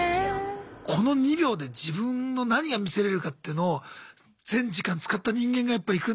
この２秒で自分の何が見せれるかっていうのを全時間使った人間がやっぱいくんだ。